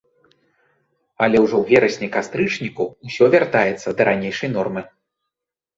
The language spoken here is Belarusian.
Але ўжо ў верасні-кастрычніку ўсё вяртаецца да ранейшай нормы.